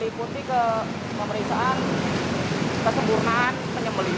meliputi ke pemeriksaan kesemburnaan penyembelihan